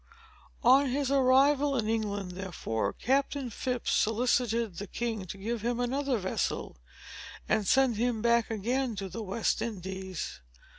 On his arrival in England, therefore, Captain Phips solicited the king to let him have another vessel, and send him back again to the West Indies.